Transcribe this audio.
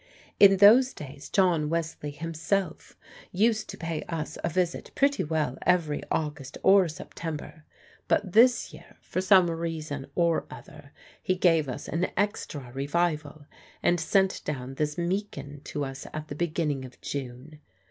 In those days John Wesley himself used to pay us a visit pretty well every August or September, but this year, for some reason or other, he gave us an extra revival, and sent down this Meakin to us at the beginning of June.